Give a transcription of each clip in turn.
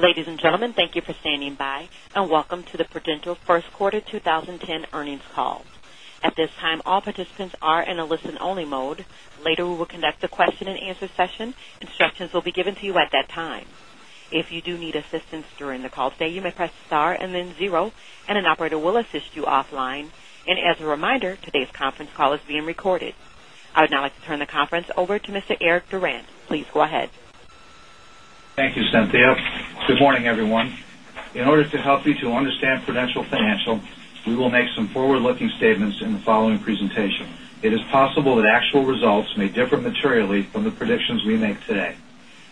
Ladies and gentlemen, thank you for standing by, and welcome to the Prudential first quarter 2010 earnings call. At this time, all participants are in a listen-only mode. Later, we will conduct a question-and-answer session. Instructions will be given to you at that time. If you do need assistance during the call today, you may press star and then zero, and an operator will assist you offline. As a reminder, today's conference call is being recorded. I would now like to turn the conference over to Mr. Eric Durant. Please go ahead. Thank you, Cynthia. Good morning, everyone. In order to help you to understand Prudential Financial, we will make some forward-looking statements in the following presentation. It is possible that actual results may differ materially from the predictions we make today.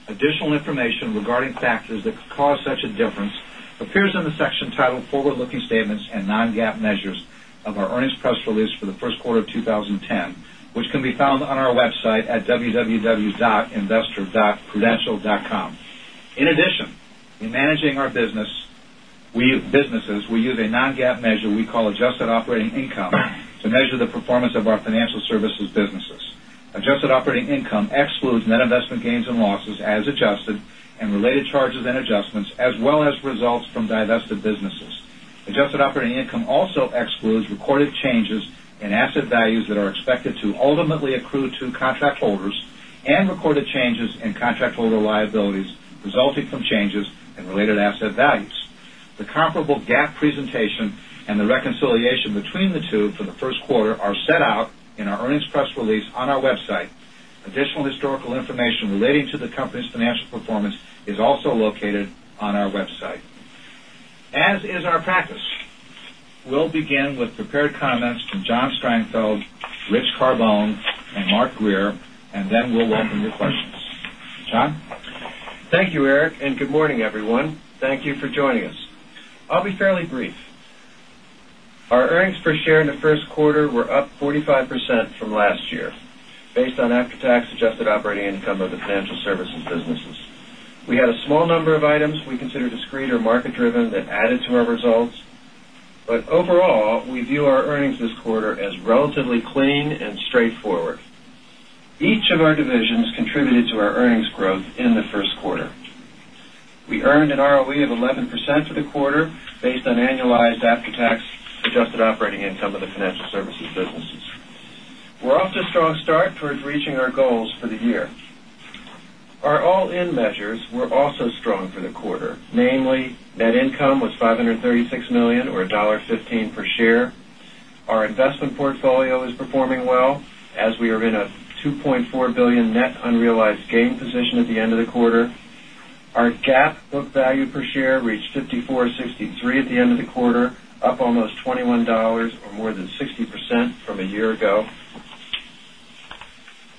Additional information regarding factors that could cause such a difference appears in the section titled Forward-Looking Statements and Non-GAAP Measures of our earnings press release for the first quarter of 2010, which can be found on our website at www.investor.prudential.com. In addition, in managing our businesses, we use a non-GAAP measure we call adjusted operating income to measure the performance of our financial services businesses. Adjusted operating income excludes net investment gains and losses as adjusted and related charges and adjustments, as well as results from divested businesses. Adjusted operating income also excludes recorded changes in asset values that are expected to ultimately accrue to contract holders and recorded changes in contract holder liabilities resulting from changes in related asset values. The comparable GAAP presentation and the reconciliation between the two for the first quarter are set out in our earnings press release on our website. Additional historical information relating to the company's financial performance is also located on our website. As is our practice, we will begin with prepared comments from John Strangfeld, Richard Carbone, and Mark Grier. Then we will welcome your questions. John? Thank you, Eric, and good morning, everyone. Thank you for joining us. I will be fairly brief. Our earnings per share in the first quarter were up 45% from last year based on after-tax adjusted operating income of the financial services businesses. Overall, we view our earnings this quarter as relatively clean and straightforward. Each of our divisions contributed to our earnings growth in the first quarter. We earned an ROE of 11% for the quarter based on annualized after-tax adjusted operating income of the financial services businesses. We are off to a strong start towards reaching our goals for the year. Our all-in measures were also strong for the quarter. Namely, net income was $536 million, or $1.15 per share. Our investment portfolio is performing well as we are in a $2.4 billion net unrealized gain position at the end of the quarter. Our GAAP book value per share reached $54.63 at the end of the quarter, up almost $21, or more than 60% from a year ago.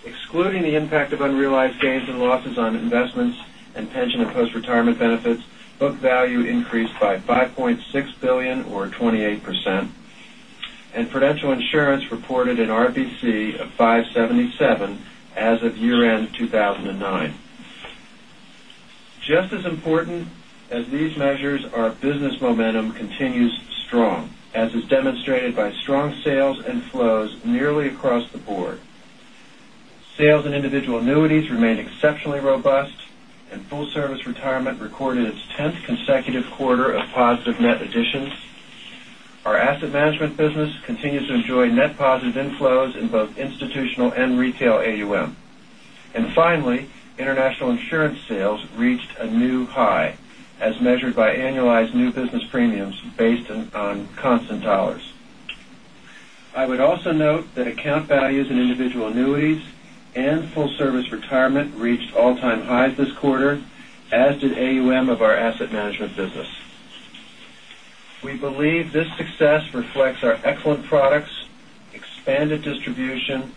Excluding the impact of unrealized gains and losses on investments in pension and post-retirement benefits, book value increased by $5.6 billion or 28%, and Prudential Insurance reported an RBC of 577 as of year-end 2009. Just as important as these measures, our business momentum continues strong, as is demonstrated by strong sales and flows nearly across the board. Sales and individual annuities remained exceptionally robust, and full service retirement recorded its 10th consecutive quarter of positive net additions. Our asset management business continues to enjoy net positive inflows in both institutional and retail AUM. Finally, international insurance sales reached a new high, as measured by annualized new business premiums based on constant dollars. I would also note that account values in individual annuities and full service retirement reached all-time highs this quarter, as did AUM of our asset management business. We believe this success reflects our excellent products, expanded distribution,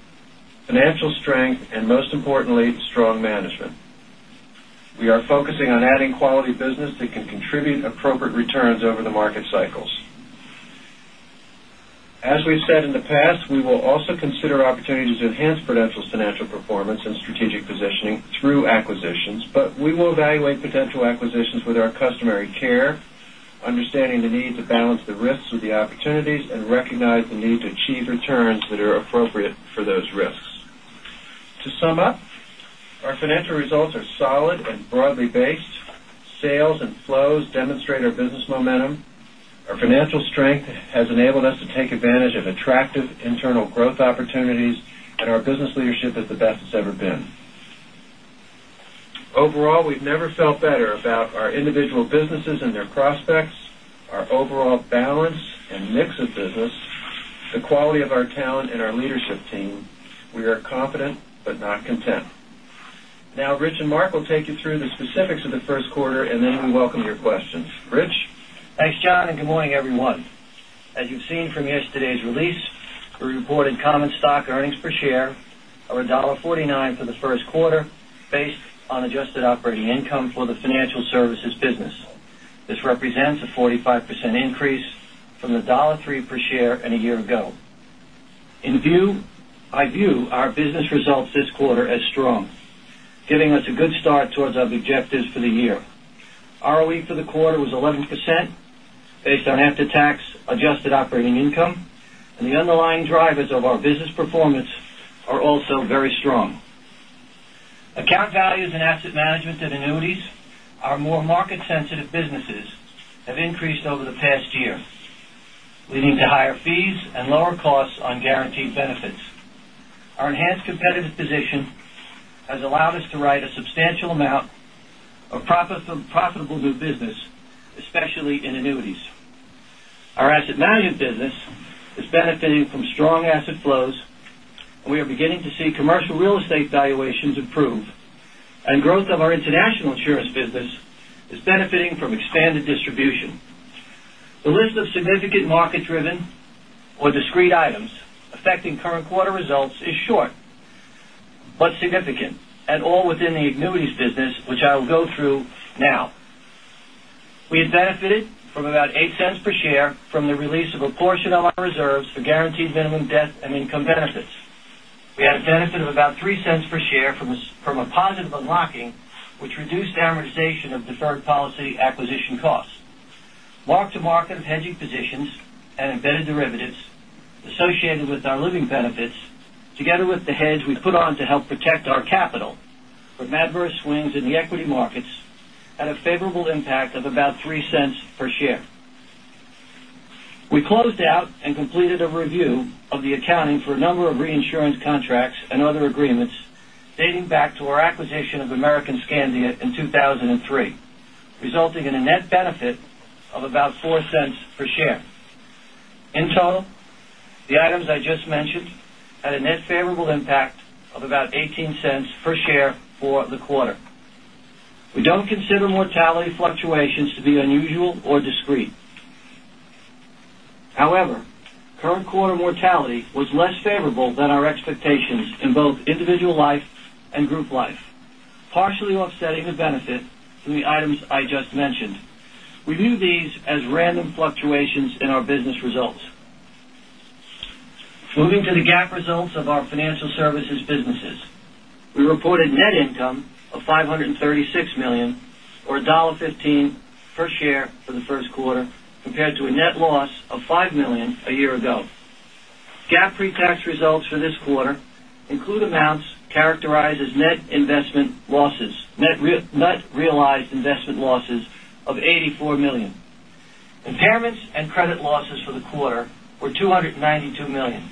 financial strength, and most importantly, strong management. We are focusing on adding quality business that can contribute appropriate returns over the market cycles. As we've said in the past, we will also consider opportunities to enhance Prudential's financial performance and strategic positioning through acquisitions. We will evaluate potential acquisitions with our customary care, understanding the need to balance the risks with the opportunities and recognize the need to achieve returns that are appropriate for those risks. To sum up, our financial results are solid and broadly based. Sales and flows demonstrate our business momentum. Our financial strength has enabled us to take advantage of attractive internal growth opportunities, and our business leadership is the best it's ever been. Overall, we've never felt better about our individual businesses and their prospects, our overall balance and mix of business, the quality of our talent and our leadership team. We are confident but not content. Now, Rich and Mark will take you through the specifics of the first quarter, and then we welcome your questions. Rich? Thanks, John, and good morning, everyone. As you've seen from yesterday's release, we reported common stock earnings per share of $1.49 for the first quarter, based on adjusted operating income for the financial services business. This represents a 45% increase from the $1.03 per share in a year ago. I view our business results this quarter as strong, giving us a good start towards our objectives for the year. ROE for the quarter was 11%. Based on after-tax adjusted operating income. The underlying drivers of our business performance are also very strong. Account values in asset management and annuities, our more market-sensitive businesses have increased over the past year, leading to higher fees and lower costs on guaranteed benefits. Our enhanced competitive position has allowed us to write a substantial amount of profitable new business, especially in annuities. Our asset management business is benefiting from strong asset flows. We are beginning to see commercial real estate valuations improve. Growth of our international insurance business is benefiting from expanded distribution. The list of significant market-driven or discrete items affecting current quarter results is short but significant, and all within the annuities business, which I will go through now. We have benefited from about $0.08 per share from the release of a portion of our reserves for guaranteed minimum death and income benefits. We had a benefit of about $0.03 per share from a positive unlocking, which reduced the amortization of deferred policy acquisition costs. Mark-to-market of hedging positions and embedded derivatives associated with our living benefits, together with the hedge we put on to help protect our capital from adverse swings in the equity markets, had a favorable impact of about $0.03 per share. We closed out and completed a review of the accounting for a number of reinsurance contracts and other agreements dating back to our acquisition of American Skandia in 2003, resulting in a net benefit of about $0.04 per share. In total, the items I just mentioned had a net favorable impact of about $0.18 per share for the quarter. We don't consider mortality fluctuations to be unusual or discrete. However, current quarter mortality was less favorable than our expectations in both individual life and group life, partially offsetting the benefit from the items I just mentioned. We view these as random fluctuations in our business results. Moving to the GAAP results of our financial services businesses. We reported net income of $536 million, or $1.15 per share for the first quarter, compared to a net loss of $5 million a year ago. GAAP pretax results for this quarter include amounts characterized as net realized investment losses of $84 million. Impairments and credit losses for the quarter were $292 million,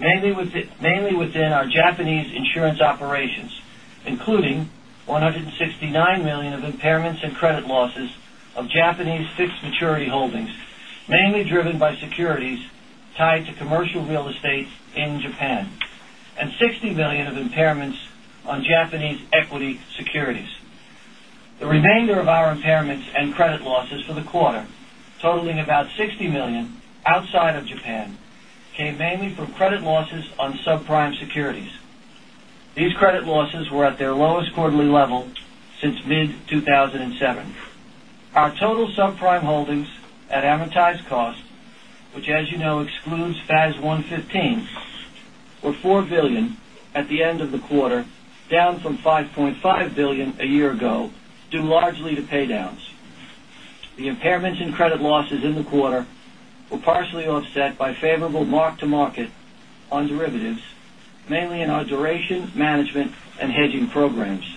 mainly within our Japanese insurance operations, including $169 million of impairments and credit losses of Japanese fixed maturity holdings, mainly driven by securities tied to commercial real estate in Japan, and $60 million of impairments on Japanese equity securities. The remainder of our impairments and credit losses for the quarter, totaling about $60 million outside of Japan, came mainly from credit losses on subprime securities. These credit losses were at their lowest quarterly level since mid-2007. Our total subprime holdings at amortized cost, which as you know excludes FAS 115, were $4 billion at the end of the quarter, down from $5.5 billion a year ago due largely to pay downs. The impairments in credit losses in the quarter were partially offset by favorable mark-to-market on derivatives, mainly in our duration management and hedging programs.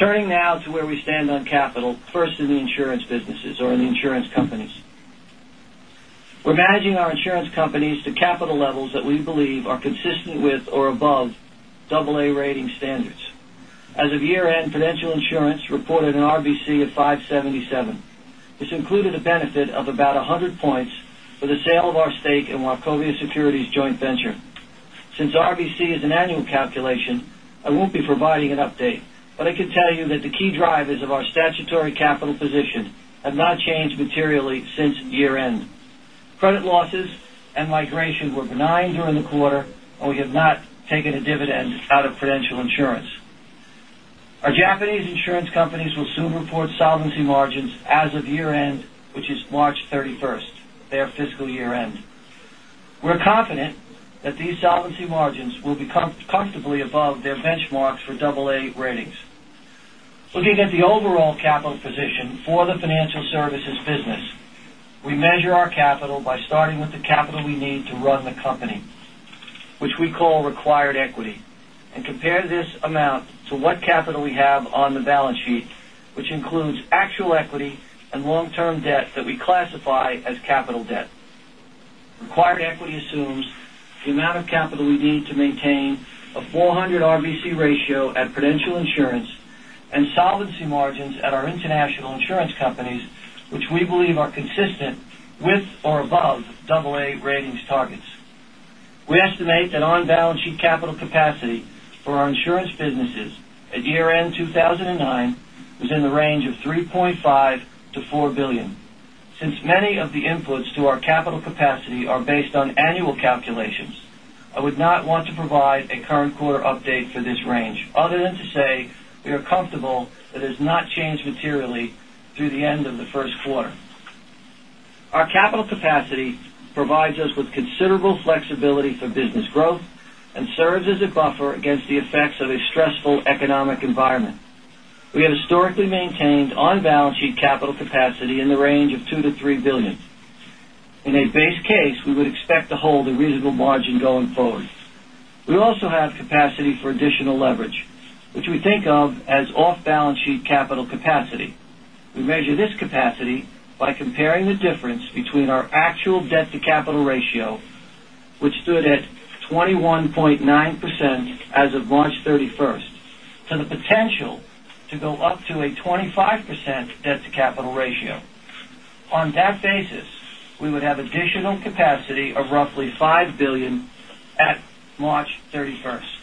Turning now to where we stand on capital, first in the insurance businesses or in the insurance companies. We're managing our insurance companies to capital levels that we believe are consistent with or above double A rating standards. As of year end, Prudential Insurance reported an RBC of 577. This included a benefit of about 100 points for the sale of our stake in Wachovia Securities joint venture. Since RBC is an annual calculation, I won't be providing an update, but I can tell you that the key drivers of our statutory capital position have not changed materially since year end. Credit losses and migration were benign during the quarter, and we have not taken a dividend out of Prudential Insurance. Our Japanese insurance companies will soon report solvency margins as of year end, which is March 31st, their fiscal year end. We're confident that these solvency margins will be comfortably above their benchmarks for double A ratings. Looking at the overall capital position for the financial services business, we measure our capital by starting with the capital we need to run the company, which we call required equity, and compare this amount to what capital we have on the balance sheet, which includes actual equity and long-term debt that we classify as capital debt. Required equity assumes the amount of capital we need to maintain a 400 RBC ratio at Prudential Insurance and solvency margins at our international insurance companies, which we believe are consistent with or above double A ratings targets. We estimate that on-balance sheet capital capacity for our insurance businesses at year end 2009 was in the range of $3.5 billion-$4 billion. Since many of the inputs to our capital capacity are based on annual calculations, I would not want to provide a current quarter update for this range other than to say we are comfortable that it has not changed materially through the end of the first quarter. Our capital capacity provides us with considerable flexibility for business growth and serves as a buffer against the effects of a stressful economic environment. We have historically maintained on-balance sheet capital capacity in the range of $2 billion to $3 billion. In a base case, we would expect to hold a reasonable margin going forward. We also have capacity for additional leverage, which we think of as off-balance sheet capital capacity. We measure this capacity by comparing the difference between our actual debt-to-capital ratio, which stood at 21.9% as of March 31st, to the potential to go up to a 25% debt-to-capital ratio. On that basis, we would have additional capacity of roughly $5 billion at March 31st.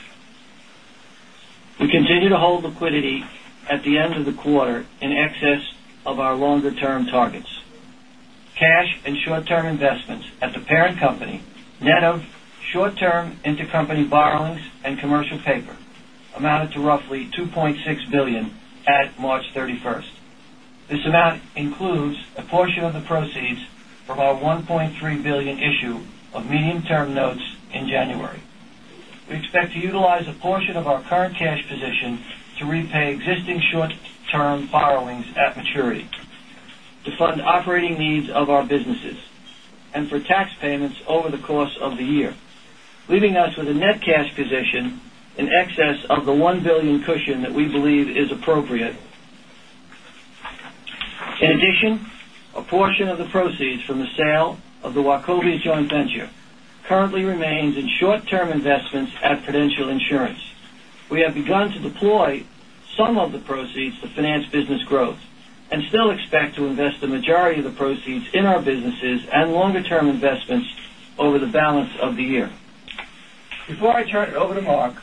We continue to hold liquidity at the end of the quarter in excess of our longer-term targets. Cash and short-term investments at the parent company, net of short-term intercompany borrowings and commercial paper, amounted to roughly $2.6 billion at March 31st. This amount includes a portion of the proceeds from our $1.3 billion issue of medium-term notes in January. We expect to utilize a portion of our current cash position to repay existing short-term borrowings at maturity to fund operating needs of our businesses and for tax payments over the course of the year, leaving us with a net cash position in excess of the $1 billion cushion that we believe is appropriate. In addition, a portion of the proceeds from the sale of the Wachovia joint venture currently remains in short-term investments at Prudential Insurance. We have begun to deploy some of the proceeds to finance business growth and still expect to invest the majority of the proceeds in our businesses and longer-term investments over the balance of the year. Before I turn it over to Mark,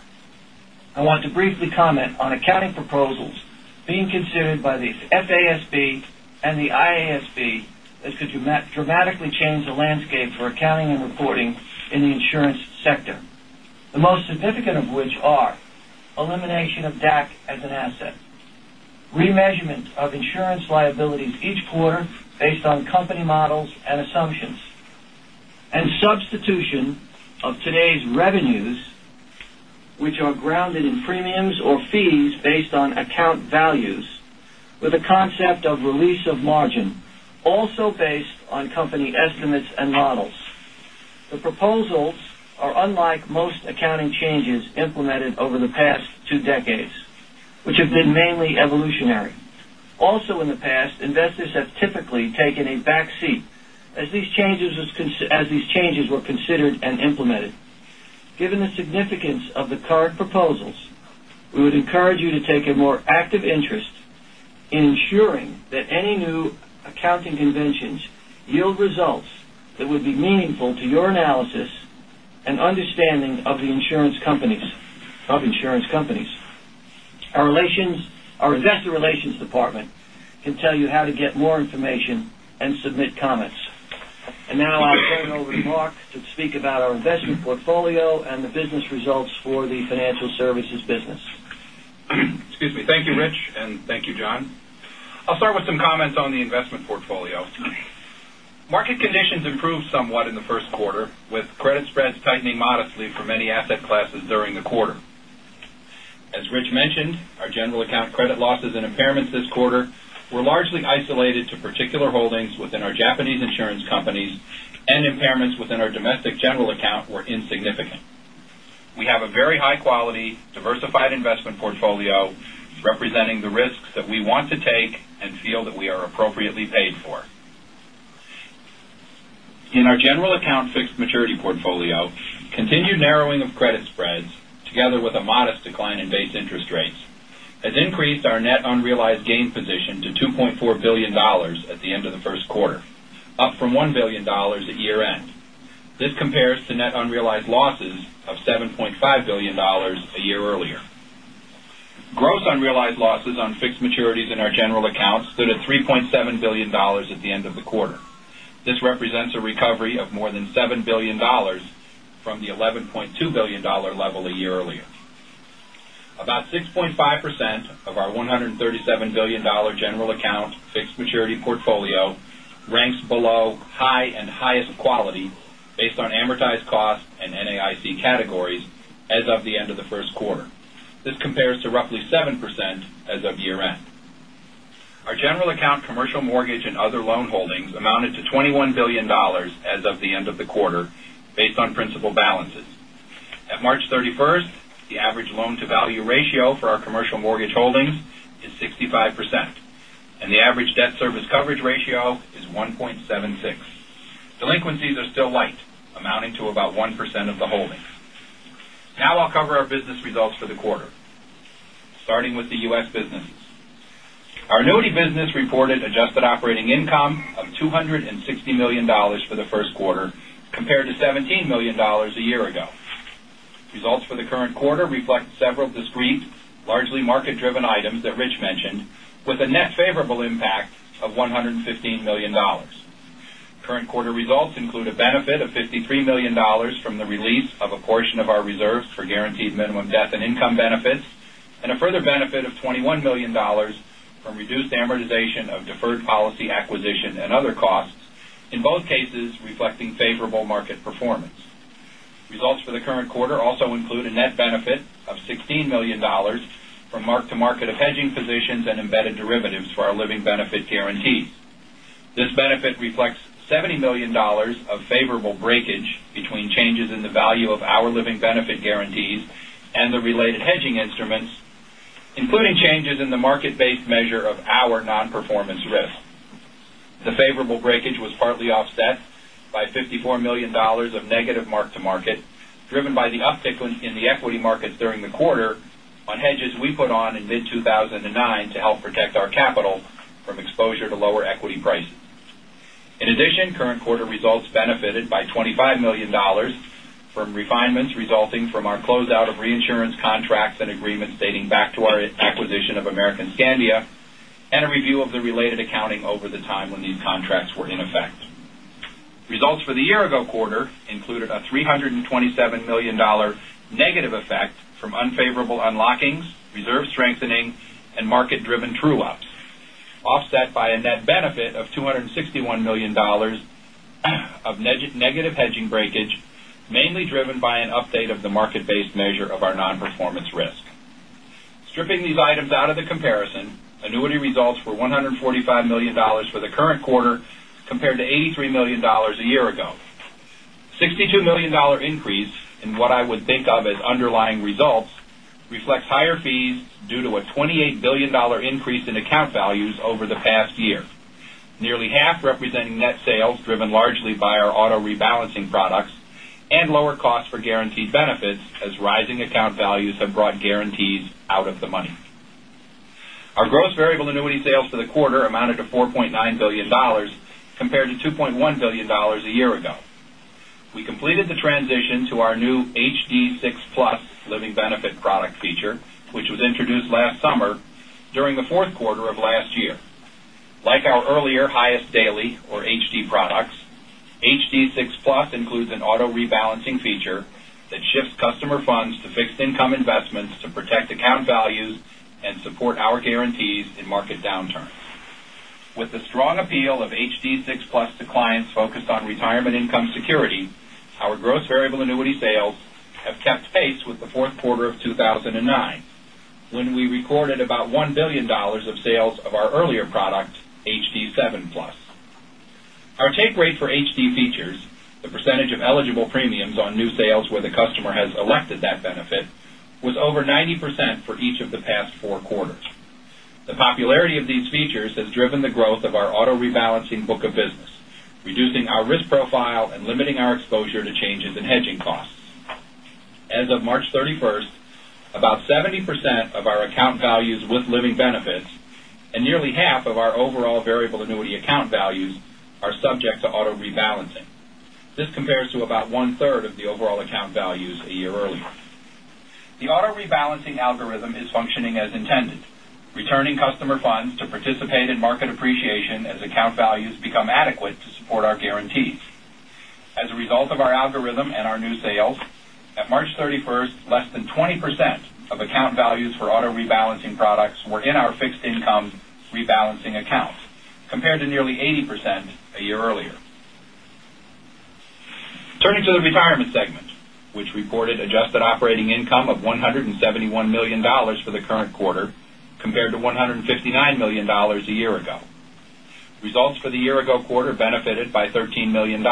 I want to briefly comment on accounting proposals being considered by the FASB and the IASB that could dramatically change the landscape for accounting and reporting in the insurance sector, the most significant of which are elimination of DAC as an asset, remeasurement of insurance liabilities each quarter based on company models and assumptions, and substitution of today's revenues, which are grounded in premiums or fees based on account values, with a concept of release of margin, also based on company estimates and models. The proposals are unlike most accounting changes implemented over the past two decades, which have been mainly evolutionary. Also in the past, investors have typically taken a back seat as these changes were considered and implemented. Given the significance of the current proposals, we would encourage you to take a more active interest in ensuring that any new accounting conventions yield results that would be meaningful to your analysis and understanding of insurance companies. Our investor relations department can tell you how to get more information and submit comments. Now I'll turn it over to Mark to speak about our investment portfolio and the business results for the financial services business. Excuse me. Thank you, Rich, and thank you, John. I'll start with some comments on the investment portfolio. Market conditions improved somewhat in the first quarter, with credit spreads tightening modestly for many asset classes during the quarter. As Rich mentioned, our general account credit losses and impairments this quarter were largely isolated to particular holdings within our Japanese insurance companies and impairments within our domestic general account were insignificant. We have a very high-quality, diversified investment portfolio representing the risks that we want to take and feel that we are appropriately paid for. In our general account fixed maturity portfolio, continued narrowing of credit spreads, together with a modest decline in base interest rates, has increased our net unrealized gain position to $2.4 billion at the end of the first quarter, up from $1 billion at year-end. This compares to net unrealized losses of $7.5 billion a year earlier. Gross unrealized losses on fixed maturities in our general account stood at $3.7 billion at the end of the quarter. This represents a recovery of more than $7 billion from the $11.2 billion level a year earlier. About 6.5% of our $137 billion general account fixed maturity portfolio ranks below high and highest quality based on amortized cost and NAIC categories as of the end of the first quarter. This compares to roughly 7% as of year-end. Our general account commercial mortgage and other loan holdings amounted to $21 billion as of the end of the quarter, based on principal balances. At March 31st, the average loan-to-value ratio for our commercial mortgage holdings is 65%, and the average debt service coverage ratio is 1.76. Delinquencies are still light, amounting to about 1% of the holdings. Now I'll cover our business results for the quarter, starting with the U.S. businesses. Our annuity business reported adjusted operating income of $260 million for the first quarter, compared to $17 million a year ago. Results for the current quarter reflect several discrete, largely market-driven items that Rich mentioned, with a net favorable impact of $115 million. Current quarter results include a benefit of $53 million from the release of a portion of our reserves for guaranteed minimum death and income benefits. A further benefit of $21 million from reduced amortization of deferred policy acquisition and other costs, in both cases, reflecting favorable market performance. Results for the current quarter also include a net benefit of $16 million from mark-to-market of hedging positions and embedded derivatives for our living benefit guarantees. This benefit reflects $70 million of favorable breakage between changes in the value of our living benefit guarantees and the related hedging instruments, including changes in the market-based measure of our non-performance risk. The favorable breakage was partly offset by $54 million of negative mark-to-market, driven by the uptick in the equity markets during the quarter on hedges we put on in mid 2009 to help protect our capital from exposure to lower equity prices. In addition, current quarter results benefited by $25 million from refinements resulting from our closeout of reinsurance contracts and agreements dating back to our acquisition of American Skandia, and a review of the related accounting over the time when these contracts were in effect. Results for the year ago quarter included a $327 million negative effect from unfavorable unlockings, reserve strengthening, and market-driven true-ups, offset by a net benefit of $261 million of negative hedging breakage, mainly driven by an update of the market-based measure of our non-performance risk. Stripping these items out of the comparison, annuity results were $145 million for the current quarter, compared to $83 million a year ago. A $62 million increase, in what I would think of as underlying results, reflects higher fees due to a $28 billion increase in account values over the past year. Nearly half representing net sales driven largely by our auto rebalancing products and lower costs for guaranteed benefits as rising account values have brought guarantees out of the money. Our gross variable annuity sales for the quarter amounted to $4.9 billion, compared to $2.1 billion a year ago. We completed the transition to our new HD6 Plus living benefit product feature, which was introduced last summer during the fourth quarter of last year. Like our earlier Highest Daily, or HD products, HD6 Plus includes an auto rebalancing feature that shifts customer funds to fixed income investments to protect account values and support our guarantees in market downturns. With the strong appeal of HD6 Plus to clients focused on retirement income security, our gross variable annuity sales have kept pace with the fourth quarter of 2009, when we recorded about $1 billion of sales of our earlier product, HD7 Plus. Our take rate for HD features, the percentage of eligible premiums on new sales where the customer has elected that benefit, was over 90% for each of the past four quarters. The popularity of these features has driven the growth of our auto rebalancing book of business, reducing our risk profile and limiting our exposure to changes in hedging costs. As of March 31st, about 70% of our account values with living benefits and nearly half of our overall variable annuity account values are subject to auto rebalancing. This compares to about one third of the overall account values a year earlier. The auto rebalancing algorithm is functioning as intended, returning customer funds to participate in market appreciation as account values become adequate to support our guarantees. As a result of our algorithm and our new sales, at March 31st, less than 20% of account values for auto rebalancing products were in our fixed income rebalancing accounts, compared to nearly 80% a year earlier. Turning to the Retirement segment, which reported adjusted operating income of $171 million for the current quarter, compared to $159 million a year ago. Results for the year ago quarter benefited by $13 million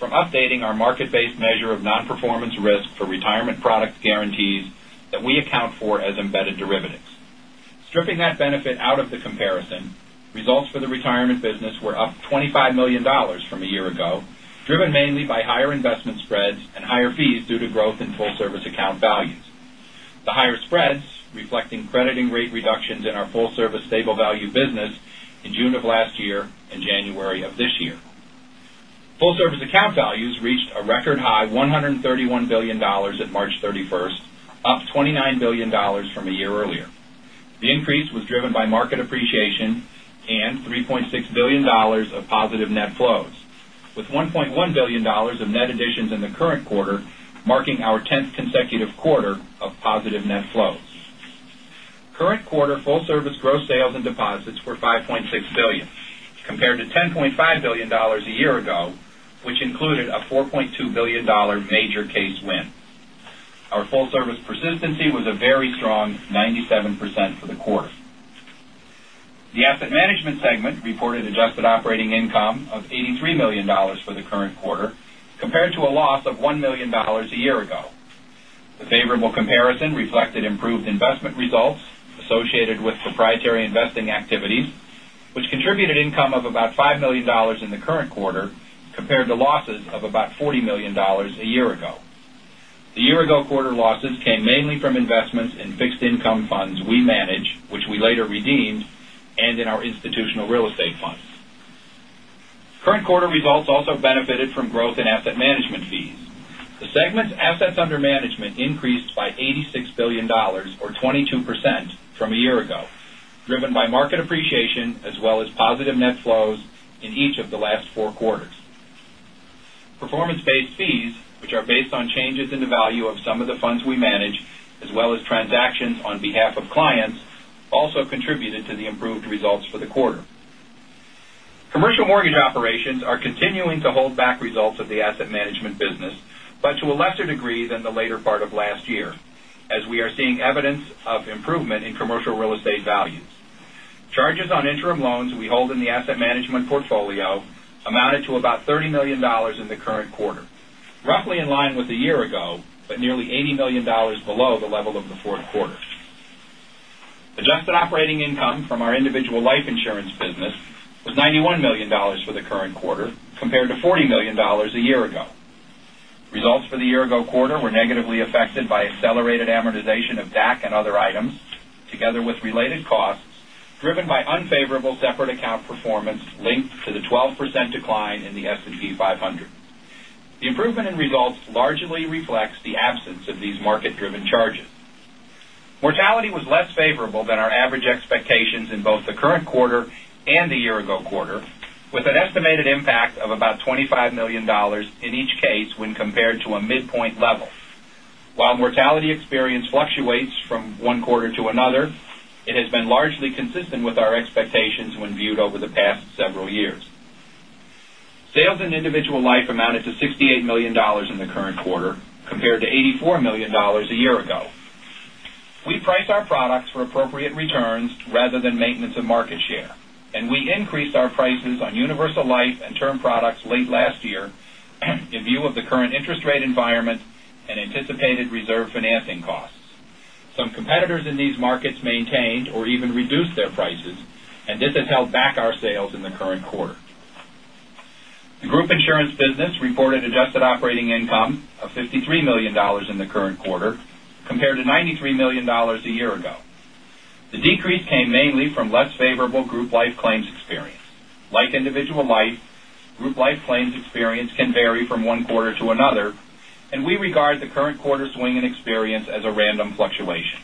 from updating our market-based measure of non-performance risk for Retirement product guarantees that we account for as embedded derivatives. Stripping that benefit out of the comparison, results for the Retirement business were up $25 million from a year ago, driven mainly by higher investment spreads and higher fees due to growth in full service account values. The higher spreads reflecting crediting rate reductions in our full service stable value business in June of last year and January of this year. Full service account values reached a record high $131 billion at March 31st, up $29 billion from a year earlier. The increase was driven by market appreciation and $3.6 billion of positive net flows, with $1.1 billion of net additions in the current quarter, marking our tenth consecutive quarter of positive net flows. Current quarter full service gross sales and deposits were $5.6 billion, compared to $10.5 billion a year ago, which included a $4.2 billion major case win. Our full service persistency was a very strong 97% for the quarter. The Asset Management segment reported adjusted operating income of $83 million for the current quarter, compared to a loss of $1 million a year ago. The favorable comparison reflected improved investment results associated with proprietary investing activities, which contributed income of about $5 million in the current quarter, compared to losses of about $40 million a year ago. The year ago quarter losses came mainly from investments in fixed income funds we manage, which we later redeemed, and in our institutional real estate funds. Current quarter results also benefited from growth in asset management fees. The segment's assets under management increased by $86 billion, or 22% from a year ago, driven by market appreciation as well as positive net flows in each of the last four quarters. Performance-based fees, which are based on changes in the value of some of the funds we manage, as well as transactions on behalf of clients, also contributed to the improved results for the quarter. Commercial mortgage operations are continuing to hold back results of the Asset Management business, but to a lesser degree than the later part of last year, as we are seeing evidence of improvement in commercial real estate values. Charges on interim loans we hold in the asset management portfolio amounted to about $30 million in the current quarter, roughly in line with a year ago, but nearly $80 million below the level of the fourth quarter. adjusted operating income from our individual life insurance business was $91 million for the current quarter, compared to $40 million a year ago. Results for the year-ago quarter were negatively affected by accelerated amortization of DAC and other items, together with related costs driven by unfavorable separate account performance linked to the 12% decline in the S&P 500. The improvement in results largely reflects the absence of these market-driven charges. Mortality was less favorable than our average expectations in both the current quarter and the year-ago quarter, with an estimated impact of about $25 million in each case when compared to a midpoint level. While mortality experience fluctuates from one quarter to another, it has been largely consistent with our expectations when viewed over the past several years. Sales in individual life amounted to $68 million in the current quarter, compared to $84 million a year ago. We price our products for appropriate returns rather than maintenance of market share, and we increased our prices on universal life and term products late last year in view of the current interest rate environment and anticipated reserve financing costs. Some competitors in these markets maintained or even reduced their prices, and this has held back our sales in the current quarter. The group insurance business reported adjusted operating income of $53 million in the current quarter, compared to $93 million a year ago. The decrease came mainly from less favorable group life claims experience. Like individual life, group life claims experience can vary from one quarter to another, and we regard the current quarter swing in experience as a random fluctuation.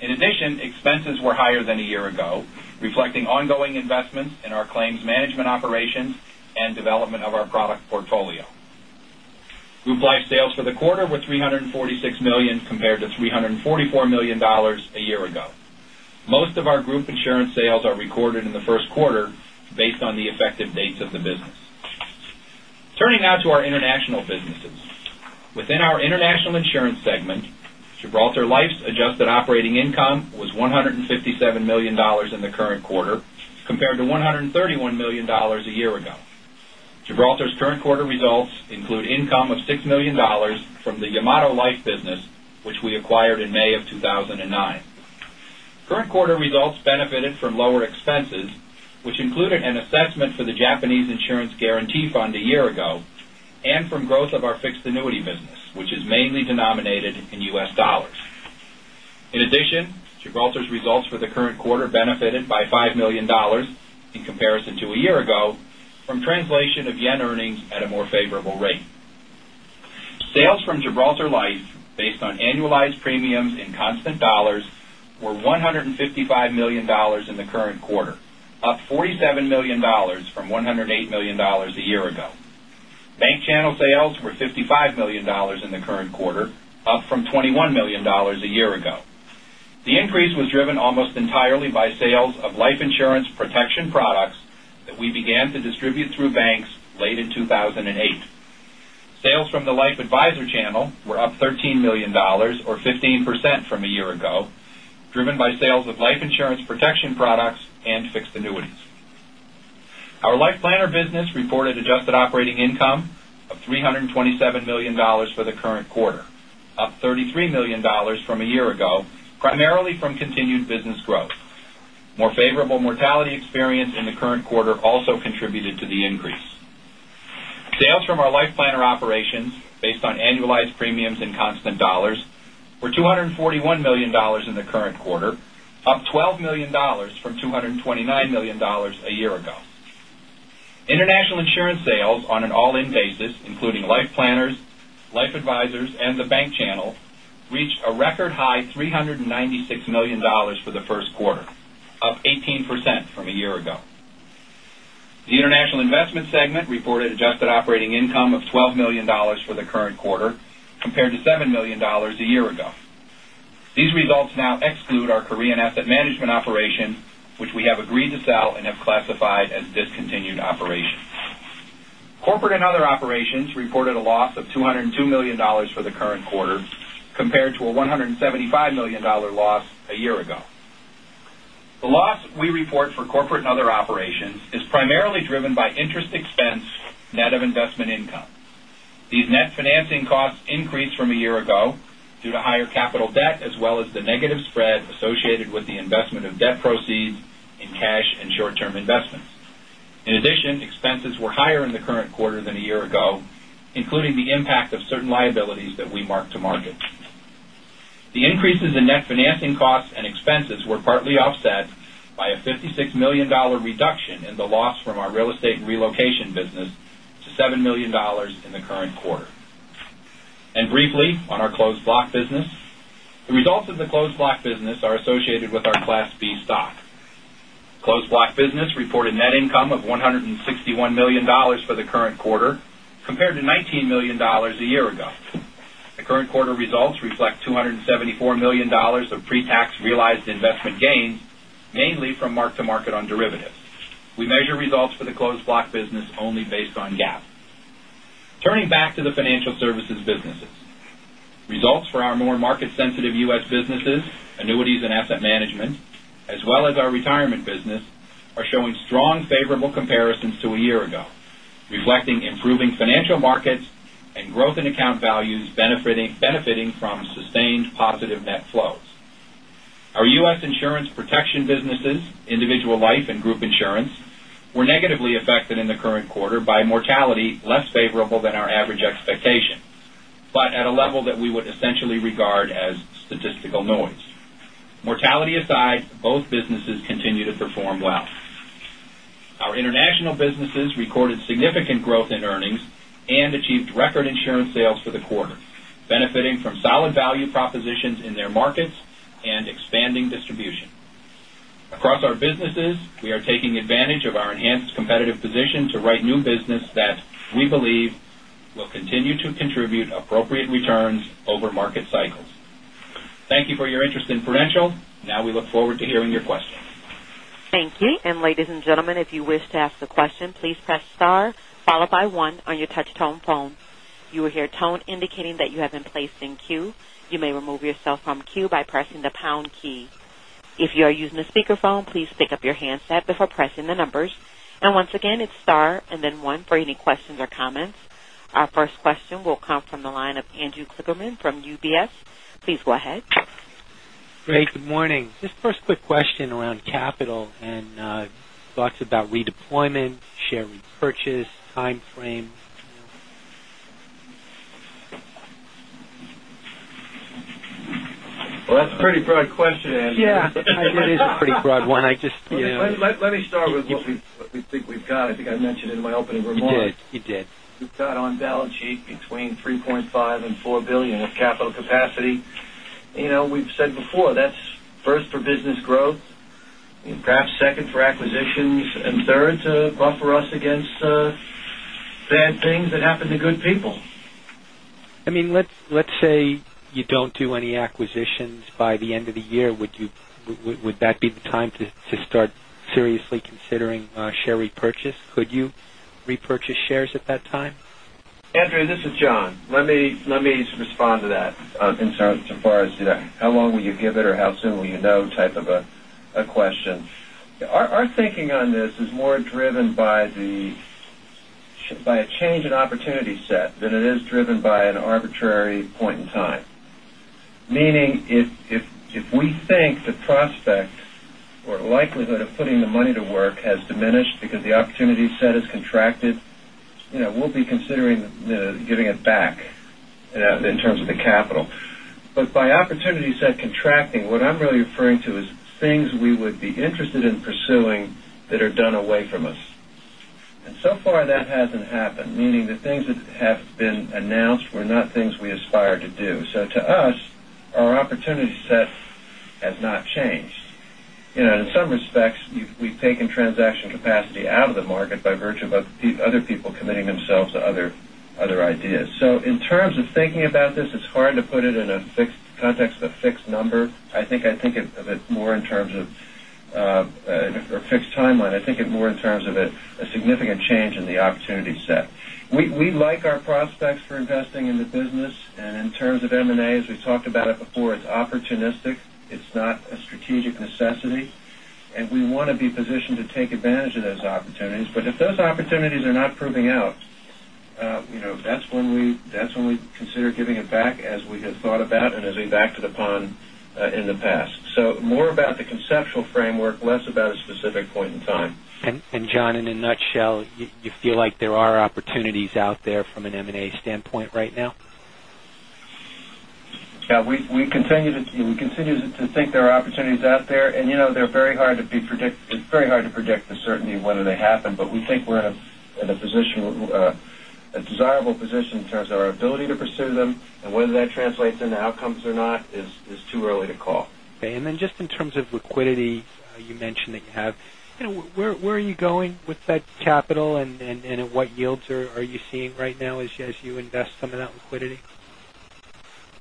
In addition, expenses were higher than a year ago, reflecting ongoing investments in our claims management operations and development of our product portfolio. Group life sales for the quarter were $346 million compared to $344 million a year ago. Most of our group insurance sales are recorded in the first quarter based on the effective dates of the business. Turning now to our international businesses. Within our international insurance segment, Gibraltar Life's adjusted operating income was $157 million in the current quarter, compared to $131 million a year ago. Gibraltar's current quarter results include income of $6 million from the Yamato Life business, which we acquired in May of 2009. Current quarter results benefited from lower expenses, which included an assessment for the Japanese Insurance Guarantee Fund a year ago, and from growth of our fixed annuity business, which is mainly denominated in U.S. dollars. In addition, Gibraltar's results for the current quarter benefited by $5 million in comparison to a year ago, from translation of yen earnings at a more favorable rate. Sales from Gibraltar Life, based on annualized premiums in constant dollars, were $155 million in the current quarter, up $47 million from $108 million a year ago. Bank channel sales were $55 million in the current quarter, up from $21 million a year ago. The increase was driven almost entirely by sales of life insurance protection products that we began to distribute through banks late in 2008. Sales from the Life Advisor channel were up $13 million or 15% from a year ago, driven by sales of life insurance protection products and fixed annuities. Our Life Planner business reported adjusted operating income of $327 million for the current quarter, up $33 million from a year ago, primarily from continued business growth. More favorable mortality experience in the current quarter also contributed to the increase. Sales from our Life Planner operations, based on annualized premiums in constant dollars, were $241 million in the current quarter, up $12 million from $229 million a year ago. International insurance sales on an all-in basis, including Life Planners, Life Advisors, and the bank channel, reached a record high $396 million for the first quarter, up 18% from a year ago. The international investment segment reported adjusted operating income of $12 million for the current quarter, compared to $7 million a year ago. These results now exclude our Korean asset management operation, which we have agreed to sell and have classified as discontinued operations. Corporate and other operations reported a loss of $202 million for the current quarter, compared to a $175 million loss a year ago. The loss we report for corporate and other operations is primarily driven by interest expense, net of investment income. These net financing costs increased from a year ago due to higher capital debt, as well as the negative spread associated with the investment of debt proceeds in cash and short-term investments. Expenses were higher in the current quarter than a year ago, including the impact of certain liabilities that we mark to market. The increases in net financing costs and expenses were partly offset by a $56 million reduction in the loss from our real estate relocation business to $7 million in the current quarter. Briefly on our closed block business, the results of the closed block business are associated with our Class B stock. Closed block business reported net income of $161 million for the current quarter, compared to $19 million a year ago. The current quarter results reflect $274 million of pre-tax realized investment gains, mainly from mark-to-market on derivatives. We measure results for the closed block business only based on GAAP. Turning back to the financial services businesses. Results for our more market sensitive U.S. businesses, annuities and asset management, as well as our retirement business, are showing strong favorable comparisons to a year ago, reflecting improving financial markets and growth in account values benefiting from sustained positive net flows. Our U.S. insurance protection businesses, individual life and group insurance, were negatively affected in the current quarter by mortality less favorable than our average expectation, but at a level that we would essentially regard as statistical noise. Mortality aside, both businesses continue to perform well. Our international businesses recorded significant growth in earnings and achieved record insurance sales for the quarter, benefiting from solid value propositions in their markets and expanding distribution. Across our businesses, we are taking advantage of our enhanced competitive position to write new business that we believe will continue to contribute appropriate returns over market cycles. Thank you for your interest in Prudential. Now we look forward to hearing your questions. Thank you. Ladies and gentlemen, if you wish to ask a question, please press star followed by one on your touch tone phone. You will hear a tone indicating that you have been placed in queue. You may remove yourself from queue by pressing the pound key. If you are using a speakerphone, please pick up your handset before pressing the numbers. Once again, it's star and then one for any questions or comments. Our first question will come from the line of Andrew Kligerman from UBS. Please go ahead. Great. Good morning. Just first quick question around capital and thoughts about redeployment, share repurchase, time frame. Well, that's a pretty broad question, Andrew. Yeah, it is a pretty broad one. Let me start with what we think we've got. I think I mentioned in my opening remarks. You did. We've got on balance sheet between $3.5 billion and $4 billion of capital capacity. We've said before, that's first for business growth, perhaps second for acquisitions, and third to buffer us against bad things that happen to good people. Let's say you don't do any acquisitions by the end of the year, would that be the time to start seriously considering share repurchase? Could you repurchase shares at that time? Andrew, this is John. Let me respond to that in so far as to that how long will you give it or how soon will you know type of a question. Our thinking on this is more driven by a change in opportunity set than it is driven by an arbitrary point in time. Meaning if we think the prospect or likelihood of putting the money to work has diminished because the opportunity set has contracted, we'll be considering giving it back in terms of the capital. By opportunity set contracting, what I'm really referring to is things we would be interested in pursuing that are done away from us. So far, that hasn't happened, meaning the things that have been announced were not things we aspire to do. To us, our opportunity set has not changed. In some respects, we've taken transaction capacity out of the market by virtue of other people committing themselves to other ideas. In terms of thinking about this, it's hard to put it in a context of a fixed number. I think of it more in terms of a fixed timeline. I think it more in terms of a significant change in the opportunity set. We like our prospects for investing in the business, and in terms of M&A, as we talked about it before, it's opportunistic. It's not a strategic necessity, and we want to be positioned to take advantage of those opportunities. If those opportunities are not proving out, that's when we consider giving it back as we have thought about and as we backed to the pond in the past. More about the conceptual framework, less about a specific point in time. John, in a nutshell, you feel like there are opportunities out there from an M&A standpoint right now? Yeah, we continue to think there are opportunities out there, it's very hard to predict the certainty of whether they happen. We think we're in a desirable position in terms of our ability to pursue them and whether that translates into outcomes or not is too early to call. Okay. Then just in terms of liquidity, you mentioned that you have. Where are you going with that capital and what yields are you seeing right now as you invest some of that liquidity?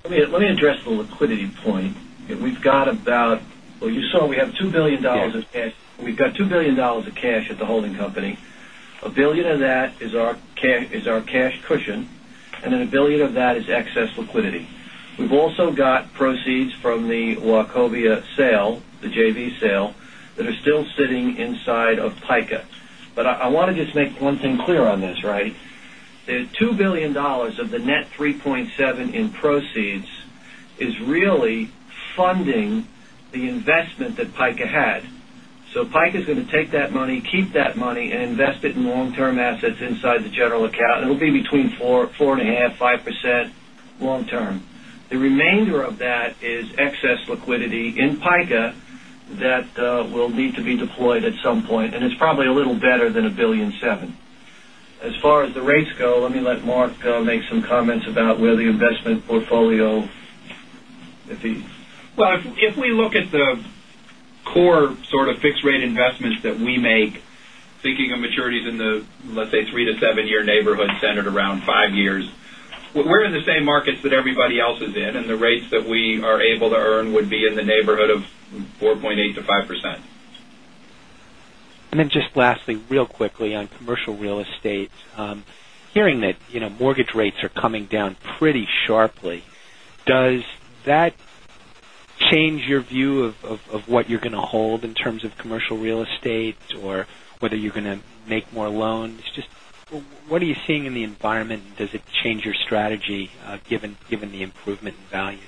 Let me address the liquidity point. We have $2 billion of cash at the holding company. $1 billion of that is our cash cushion, then $1 billion of that is excess liquidity. We've also got proceeds from the Wachovia sale, the JV sale, that are still sitting inside of PICA. I want to just make one thing clear on this. The $2 billion of the net $3.7 billion in proceeds is really funding the investment that PICA had. PICA is going to take that money, keep that money, and invest it in long-term assets inside the general account. It'll be between 4.5% long term. The remainder of that is excess liquidity in PICA That will need to be deployed at some point, it's probably a little better than $1.7 billion. As far as the rates go, let me let Mark make some comments about where the investment portfolio, if he Well, if we look at the core sort of fixed rate investments that we make, thinking of maturities in the, let's say, three to seven-year neighborhood centered around five years, we're in the same markets that everybody else is in, the rates that we are able to earn would be in the neighborhood of 4.8%-5%. Just lastly, real quickly on commercial real estate. Hearing that mortgage rates are coming down pretty sharply, does that change your view of what you're going to hold in terms of commercial real estate or whether you're going to make more loans? Just what are you seeing in the environment, does it change your strategy given the improvement in values?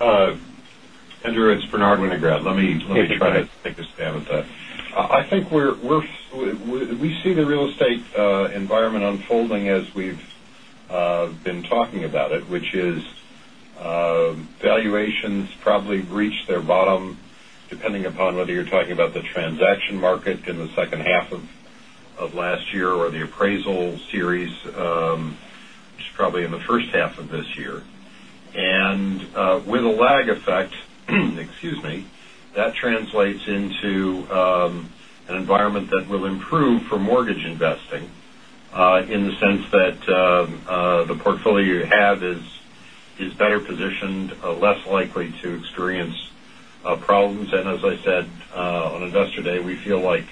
Andrew Kligerman, it's Bernard Winograd. Let me try to take a stab at that. I think we see the real estate environment unfolding as we've been talking about it, which is valuations probably reached their bottom, depending upon whether you're talking about the transaction market in the second half of last year or the appraisal series, which is probably in the first half of this year. With a lag effect, excuse me, that translates into an environment that will improve for mortgage investing, in the sense that the portfolio you have is better positioned, less likely to experience problems. As I said, on Investor Day, we feel like,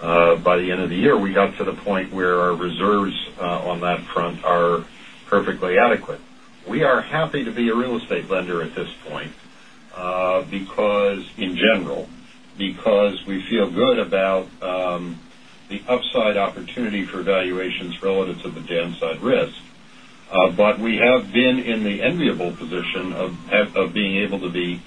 by the end of the year, we got to the point where our reserves on that front are perfectly adequate. We are happy to be a real estate lender at this point. Because, in general, we feel good about the upside opportunity for valuations relative to the downside risk. We have been in the enviable position of being able to be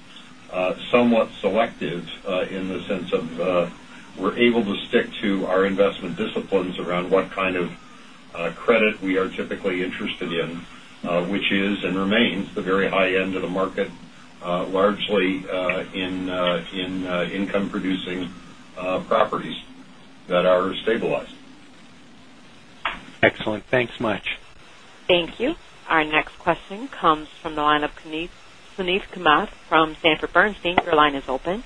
somewhat selective in the sense of we're able to stick to our investment disciplines around what kind of credit we are typically interested in. Which is and remains the very high end of the market, largely in income-producing properties that are stabilized. Excellent. Thanks much. Thank you. Our next question comes from the line of Suneet Kamath from Sanford Bernstein. Your line is open.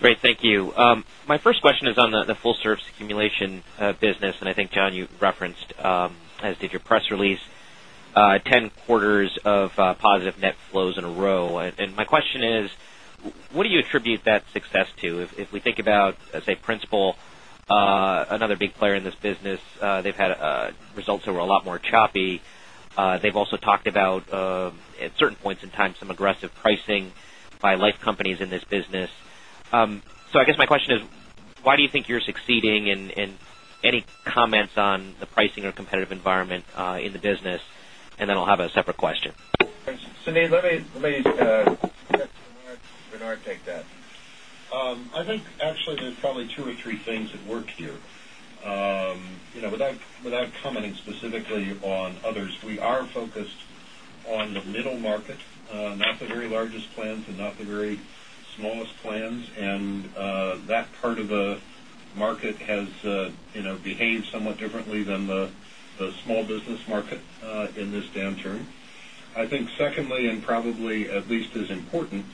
Great. Thank you. My first question is on the full service accumulation business, I think, John, you referenced, as did your press release, 10 quarters of positive net flows in a row. My question is, what do you attribute that success to? If we think about, let's say, Principal, another big player in this business, they've had results that were a lot more choppy. They've also talked about, at certain points in time, some aggressive pricing by life companies in this business. I guess my question is, why do you think you're succeeding, and any comments on the pricing or competitive environment in the business? Then I'll have a separate question. Suneet, let me let Bernard take that. I think actually there's probably two or three things at work here. Without commenting specifically on others, we are focused on the middle market, not the very largest plans and not the very smallest plans. That part of the market has behaved somewhat differently than the small business market in this downturn. I think secondly, and probably at least as important,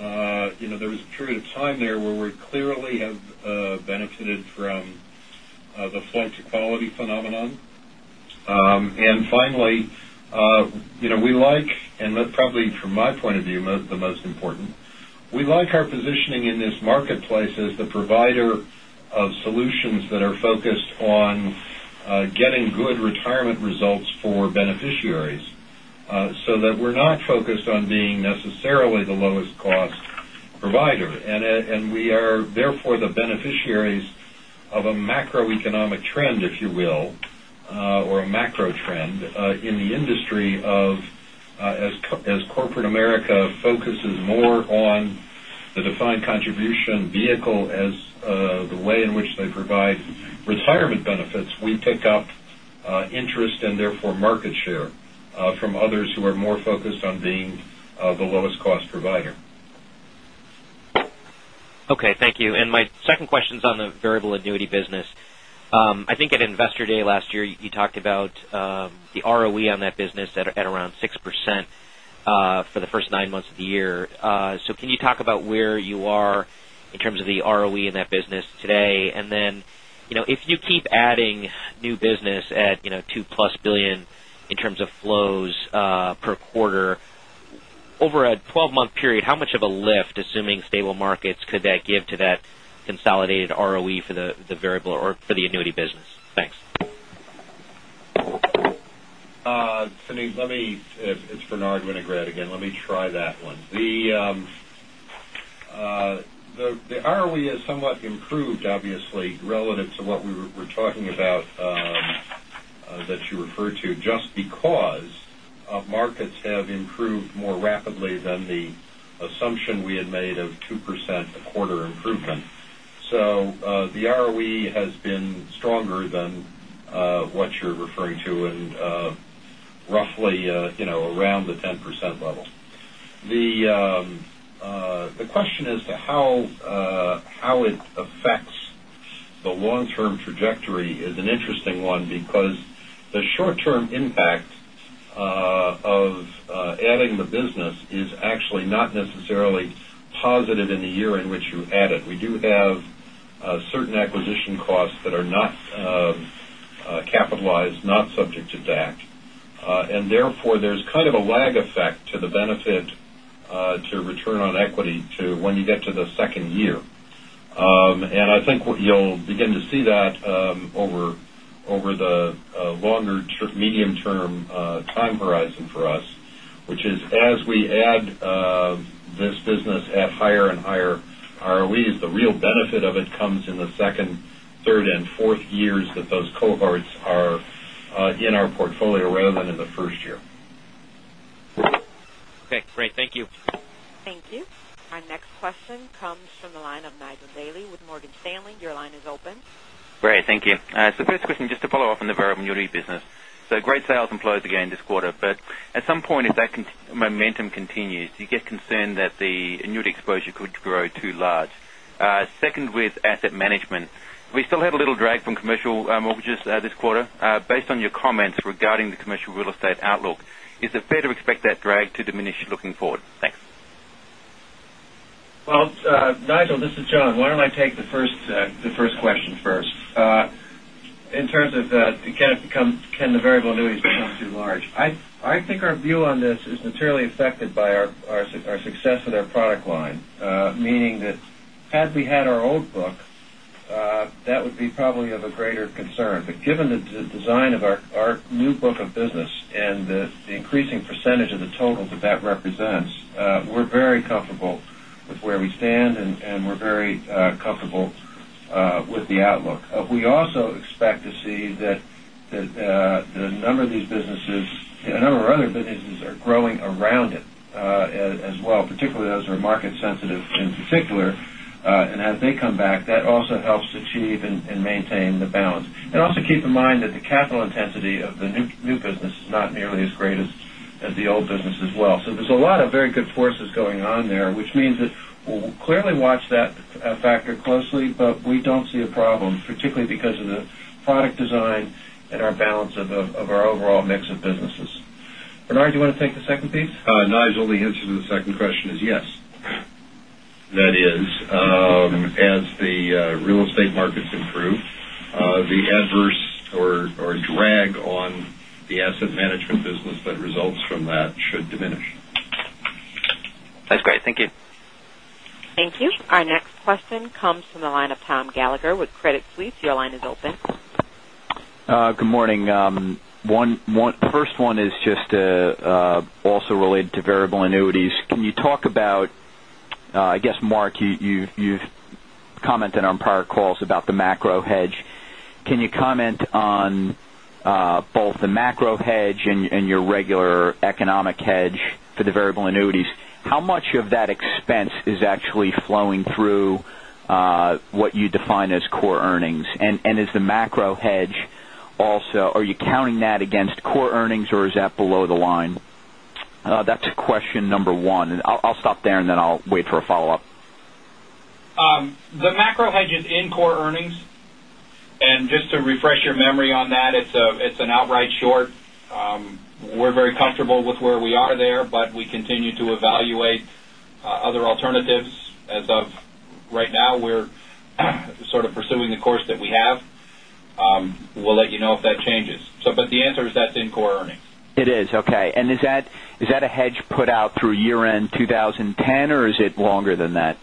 there was a period of time there where we clearly have benefited from the flight to quality phenomenon. Finally, we like, and that probably from my point of view, the most important, we like our positioning in this marketplace as the provider of solutions that are focused on getting good retirement results for beneficiaries. That we're not focused on being necessarily the lowest cost provider. We are therefore the beneficiaries of a macroeconomic trend, if you will, or a macro trend in the industry of as corporate America focuses more on the defined contribution vehicle as the way in which they provide retirement benefits, we pick up interest and therefore market share from others who are more focused on being the lowest cost provider. Okay. Thank you. My second question's on the variable annuity business. I think at Investor Day last year, you talked about the ROE on that business at around 6% for the first nine months of the year. Can you talk about where you are in terms of the ROE in that business today? If you keep adding new business at $2-plus billion in terms of flows per quarter. Over a 12-month period, how much of a lift, assuming stable markets, could that give to that consolidated ROE for the variable or for the annuity business? Thanks. Suneet, it's Bernard Winograd again. Let me try that one. The ROE has somewhat improved, obviously, relative to what we were talking about that you referred to, just because markets have improved more rapidly than the assumption we had made of 2% a quarter improvement. The ROE has been stronger than what you're referring to. Roughly around the 10% level. The question as to how it affects the long-term trajectory is an interesting one, because the short-term impact of adding the business is actually not necessarily positive in the year in which you add it. We do have certain acquisition costs that are not capitalized, not subject to DAC. Therefore, there's kind of a lag effect to the benefit to return on equity to when you get to the second year. I think what you'll begin to see that over the longer, medium term time horizon for us, which is as we add this business at higher and higher ROEs, the real benefit of it comes in the second, third, and fourth years that those cohorts are in our portfolio rather than in the first year. Okay, great. Thank you. Thank you. Our next question comes from the line of Nigel Dally with Morgan Stanley. Your line is open. Great. Thank you. First question, just to follow up on the variable annuity business. Great sales employed again this quarter. At some point, if that momentum continues, do you get concerned that the annuity exposure could grow too large? Second, with asset management. We still have a little drag from commercial mortgages this quarter. Based on your comments regarding the commercial real estate outlook, is it fair to expect that drag to diminish looking forward? Thanks. Well, Nigel, this is John. Why don't I take the first question first. In terms of can the variable annuities become too large? I think our view on this is materially affected by our success with our product line. Meaning that had we had our old book, that would be probably of a greater concern. Given the design of our new book of business and the increasing percentage of the total that represents, we're very comfortable with where we stand, and we're very comfortable with the outlook. We also expect to see that a number of our other businesses are growing around it as well, particularly those who are market sensitive in particular. As they come back, that also helps achieve and maintain the balance. Also keep in mind that the capital intensity of the new business is not nearly as great as the old business as well. There's a lot of very good forces going on there, which means that we'll clearly watch that factor closely, but we don't see a problem, particularly because of the product design and our balance of our overall mix of businesses. Bernard, do you want to take the second piece? Nigel, the answer to the second question is yes. That is, as the real estate markets improve, the adverse or drag on the asset management business that results from that should diminish. That's great. Thank you. Thank you. Our next question comes from the line of Tom Gallagher with Credit Suisse. Your line is open. Good morning. First one is just also related to variable annuities. I guess, Mark, you've commented on prior calls about the macro hedge. Can you comment on both the macro hedge and your regular economic hedge for the variable annuities? How much of that expense is actually flowing through what you define as core earnings? Are you counting that against core earnings, or is that below the line? That's question number 1. I'll stop there, and then I'll wait for a follow-up. The macro hedge is in core earnings. Just to refresh your memory on that, it's an outright short. We're very comfortable with where we are there, but we continue to evaluate other alternatives. As of right now, we're sort of pursuing the course that we have. We'll let you know if that changes. The answer is that's in core earnings. It is. Okay. Is that a hedge put out through year-end 2010, or is it longer than that?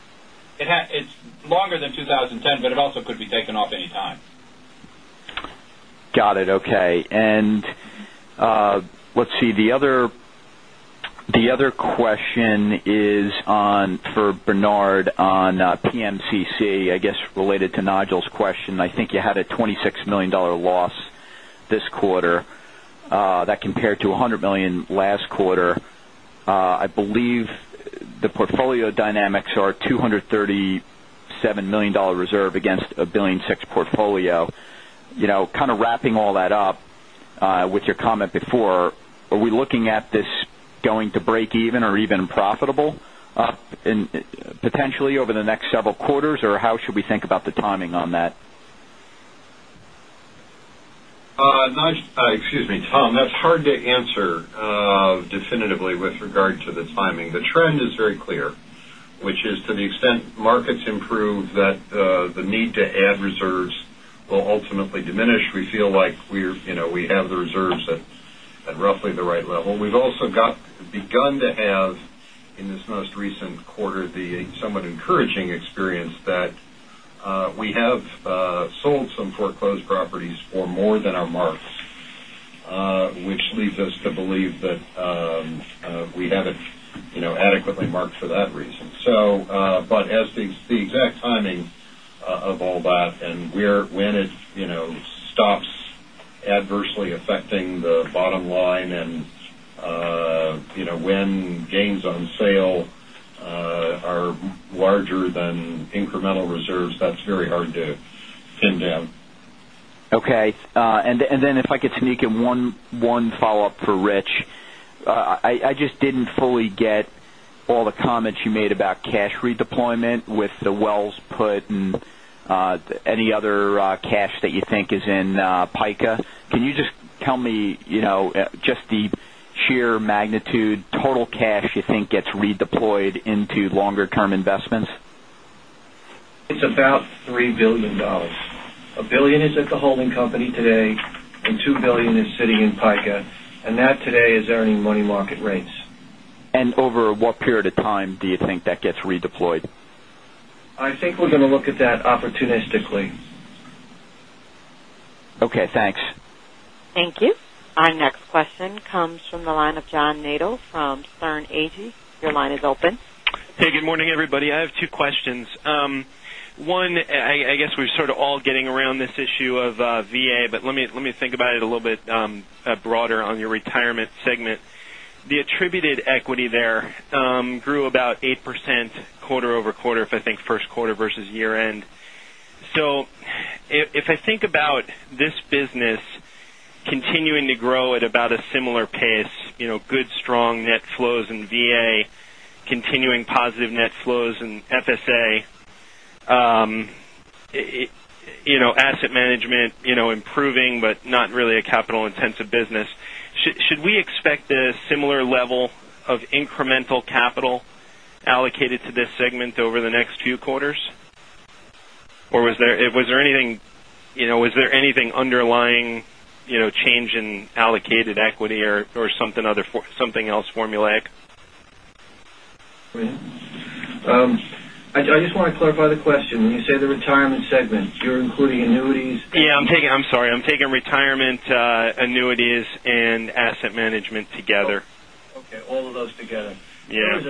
It's longer than 2010, but it also could be taken off anytime. Got it. Okay. Let's see. The other question is for Bernard on PMCC, I guess related to Nigel's question. I think you had a $26 million loss this quarter. That compared to a $100 million last quarter. I believe the portfolio dynamics are a $237 million reserve against a $1.6 billion portfolio. Kind of wrapping all that up with your comment before, are we looking at this going to break even or even profitable potentially over the next several quarters, or how should we think about the timing on that? Tom, that's hard to answer definitively with regard to the timing. The trend is very clear, which is to the extent markets improve, that the need to add reserves will ultimately diminish. We feel like we have the reserves at roughly the right level. We've also begun to have, in this most recent quarter, the somewhat encouraging experience that we have sold some foreclosed properties for more than our marks, which leads us to believe that we have it adequately marked for that reason. As the exact timing of all that and when it stops adversely affecting the bottom line and when gains on sale are larger than incremental reserves, that's very hard to pin down. Okay. Then if I could sneak in one follow-up for Rich. I just didn't fully get all the comments you made about cash redeployment with the Wells put and any other cash that you think is in PICA. Can you just tell me, just the sheer magnitude, total cash you think gets redeployed into longer-term investments? It's about $3 billion. A billion is at the holding company today. $2 billion is sitting in PICA, and that today is earning money market rates. Over what period of time do you think that gets redeployed? I think we're going to look at that opportunistically. Okay, thanks. Thank you. Our next question comes from the line of John Nadel from Sterne Agee. Your line is open. Hey, good morning, everybody. I have two questions. One, I guess we're sort of all getting around this issue of VA, but let me think about it a little bit broader on your retirement segment. The attributed equity there grew about 8% quarter-over-quarter if I think first quarter versus year end. If I think about this business continuing to grow at about a similar pace, good strong net flows in VA, continuing positive net flows in FSA. Asset management improving but not really a capital-intensive business. Should we expect a similar level of incremental capital allocated to this segment over the next few quarters? Or was there anything underlying change in allocated equity or something else formulaic? I just want to clarify the question. When you say the retirement segment, you're including annuities and- Yeah, I'm sorry. I'm taking retirement annuities and asset management together. Okay. All of those together. Yeah.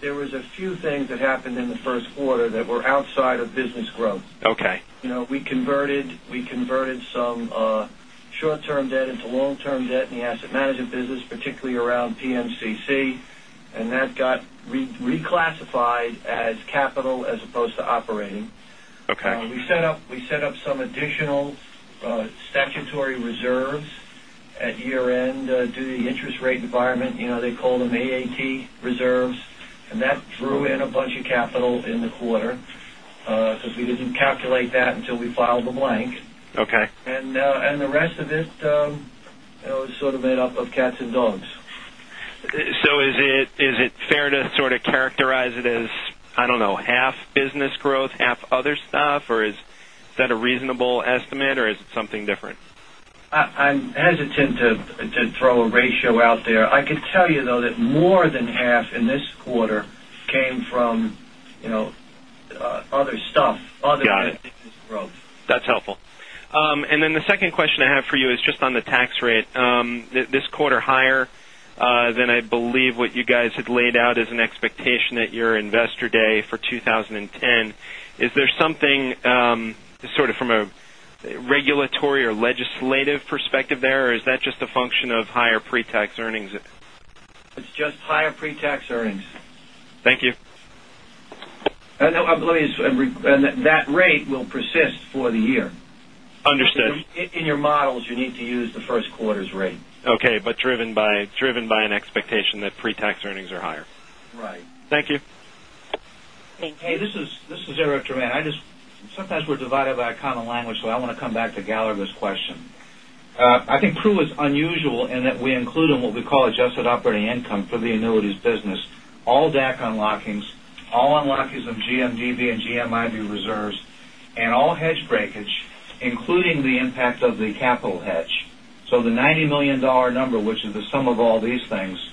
There was a few things that happened in the first quarter that were outside of business growth. Okay. We converted some short-term debt into long-term debt in the asset management business, particularly around PMCC, and that got reclassified as capital as opposed to operating. Okay. We set up some additional statutory reserves at year end due to the interest rate environment. They call them AAT reserves, and that drew in a bunch of capital in the quarter, because we didn't calculate that until we filed the blank. Okay. The rest of it was sort of made up of cats and dogs. Is it fair to sort of characterize it as, I don't know, half business growth, half other stuff, or is that a reasonable estimate, or is it something different? I'm hesitant to throw a ratio out there. I can tell you, though, that more than half in this quarter came from other stuff other than business growth. That's helpful. The second question I have for you is just on the tax rate. This quarter higher than I believe what you guys had laid out as an expectation at your investor day for 2010. Is there something sort of from a regulatory or legislative perspective there, or is that just a function of higher pre-tax earnings? It's just higher pre-tax earnings. Thank you. I believe that rate will persist for the year. Understood. In your models, you need to use the first quarter's rate. Okay, driven by an expectation that pre-tax earnings are higher. Right. Thank you. Thank you. Hey, this is Eric Tremain. Sometimes we're divided by a common language, I want to come back to Gallagher's question. I think Pru is unusual in that we include in what we call adjusted operating income for the annuities business, all DAC unlockings, all unlockings of GMDB and GMIB reserves, and all hedge breakage, including the impact of the capital hedge. The $90 million number, which is the sum of all these things,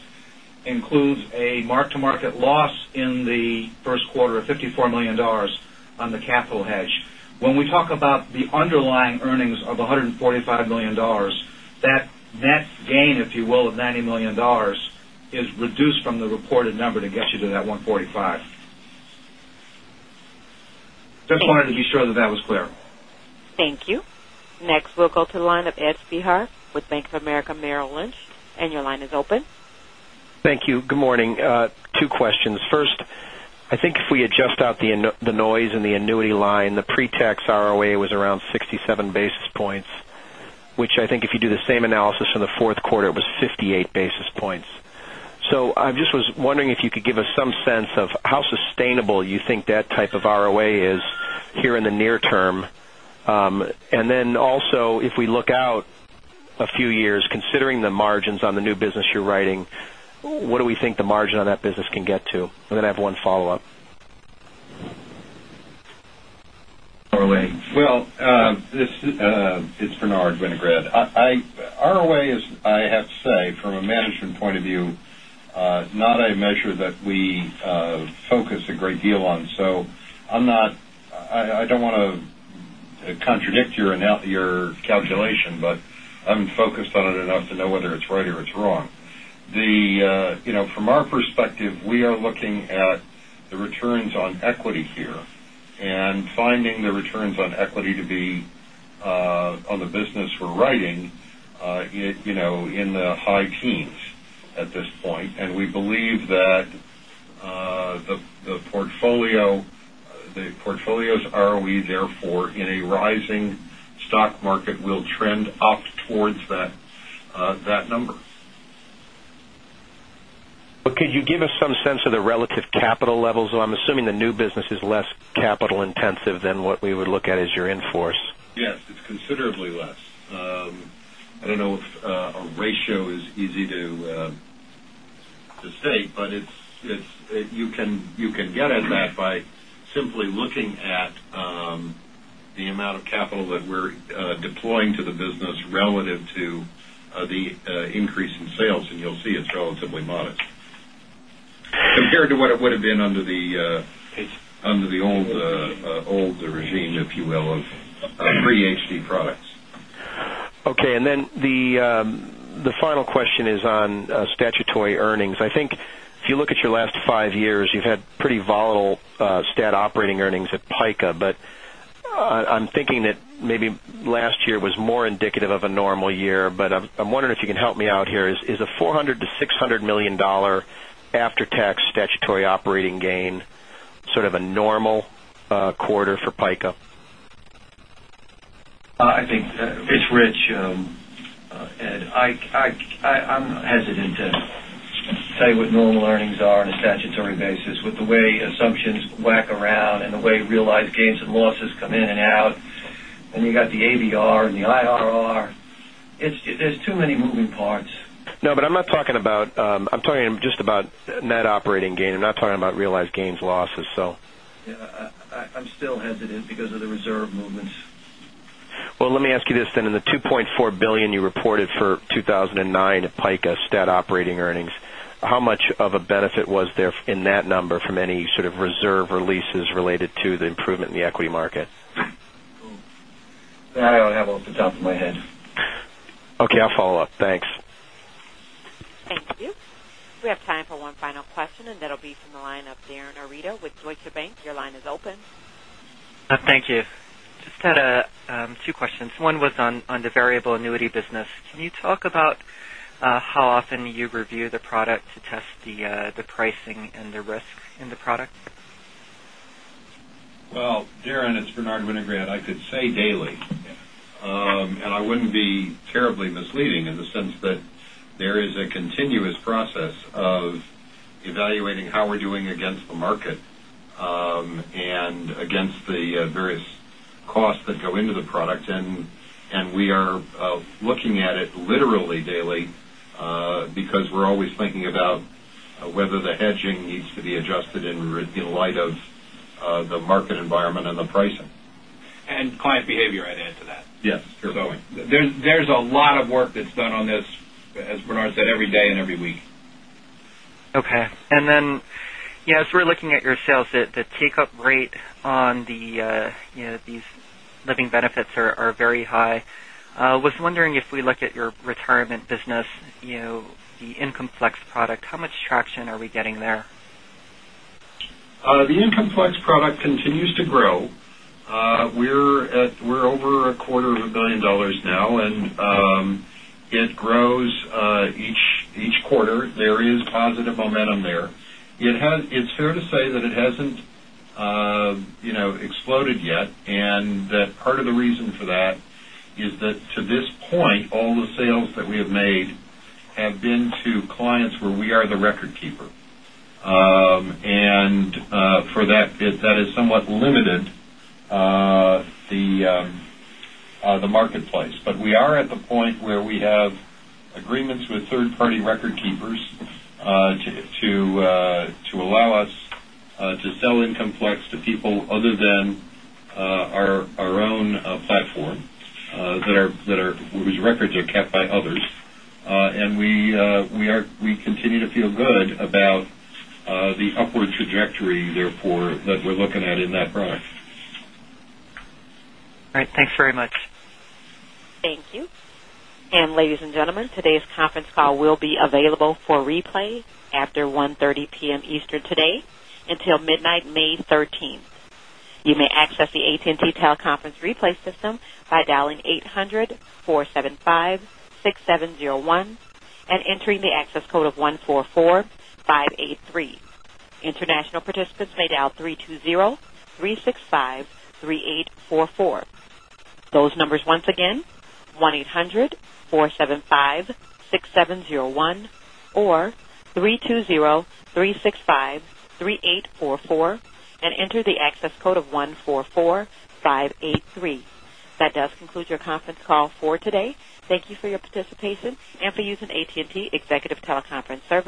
includes a mark-to-market loss in the first quarter of $54 million on the capital hedge. When we talk about the underlying earnings of $145 million, that net gain, if you will, of $90 million is reduced from the reported number to get you to that 145. Just wanted to be sure that that was clear. Thank you. Next, we'll go to the line of Ed Spehar with Bank of America, Merrill Lynch, your line is open. Thank you. Good morning. Two questions. First, I think if we adjust out the noise in the annuity line, the pre-tax ROA was around 67 basis points, which I think if you do the same analysis from the fourth quarter, it was 58 basis points. I just was wondering if you could give us some sense of how sustainable you think that type of ROA is here in the near term. Also, if we look out a few years, considering the margins on the new business you're writing, what do we think the margin on that business can get to? I'm going to have one follow-up. Well, it's Bernard Winograd. ROA is, I have to say, from a management point of view, not a measure that we focus a great deal on. I don't want to contradict your calculation, but I'm focused on it enough to know whether it's right or it's wrong. From our perspective, we are looking at the returns on equity here and finding the returns on equity to be On the business we're writing in the high teens at this point. We believe that the portfolio's ROE, therefore, in a rising stock market, will trend up towards that number. Could you give us some sense of the relative capital levels? I'm assuming the new business is less capital intensive than what we would look at as your in-force. Yes, it's considerably less. I don't know if a ratio is easy to state, but you can get at that by simply looking at the amount of capital that we're deploying to the business relative to the increase in sales, and you'll see it's relatively modest compared to what it would have been under the old regime, if you will, of pre-HD products. Okay, the final question is on statutory earnings. I think if you look at your last 5 years, you've had pretty volatile stat operating earnings at PICA, but I'm thinking that maybe last year was more indicative of a normal year. I'm wondering if you can help me out here. Is a $400 million-$600 million after-tax statutory operating gain sort of a normal quarter for PICA? I think it's Rich, Ed. I'm hesitant to tell you what normal earnings are on a statutory basis with the way assumptions whack around and the way realized gains and losses come in and out. You got the AVR and the IMR. There's too many moving parts. No, I'm talking just about net operating gain. I'm not talking about realized gains, losses. Yeah, I'm still hesitant because of the reserve movements. Well, let me ask you this then. In the $2.4 billion you reported for 2009 at PICA stat operating earnings, how much of a benefit was there in that number from any sort of reserve releases related to the improvement in the equity market? That I don't have off the top of my head. I'll follow up. Thanks. Thank you. We have time for one final question, and that'll be from the line of Darin Arita with Deutsche Bank. Your line is open. Thank you. Just had two questions. One was on the variable annuity business. Can you talk about how often you review the product to test the pricing and the risk in the product? Well, Darin, it's Bernard Winograd. I could say daily. I wouldn't be terribly misleading in the sense that there is a continuous process of evaluating how we're doing against the market, and against the various costs that go into the product. We are looking at it literally daily because we're always thinking about whether the hedging needs to be adjusted in light of the market environment and the pricing. Client behavior, I'd add to that. Yes. There's a lot of work that's done on this, as Bernard said, every day and every week. Okay. Then as we're looking at your sales, the take-up rate on these living benefits are very high. I was wondering if we look at your retirement business, the IncomeFlex product, how much traction are we getting there? The IncomeFlex product continues to grow. We're over a quarter of a billion dollars now, it grows each quarter. There is positive momentum there. It's fair to say that it hasn't exploded yet, that part of the reason for that is that to this point, all the sales that we have made have been to clients where we are the record keeper. For that bit, that has somewhat limited the marketplace. We are at the point where we have agreements with third-party record keepers to allow us to sell IncomeFlex to people other than our own platform, whose records are kept by others. We continue to feel good about the upward trajectory, therefore, that we're looking at in that product. All right. Thanks very much. Thank you. Ladies and gentlemen, today's conference call will be available for replay after 1:30 P.M. Eastern today until midnight, May 13th. You may access the AT&T teleconference replay system by dialing 800-475-6701 and entering the access code of 144583. International participants may dial 320-365-3844. Those numbers once again, 1-800-475-6701 or 320-365-3844, and enter the access code of 144583. That does conclude your conference call for today. Thank you for your participation and for using AT&T Executive Teleconference Service.